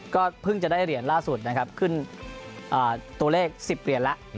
ก็เพิ่งจะได้เหรียญล่าสุดนะครับขึ้นตัวเลข๑๐เหรียญแล้ว